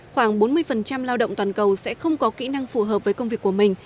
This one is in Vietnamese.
khoảng bốn mươi lao động toàn cầu sẽ không có kỹ năng phù hợp với công việc của mình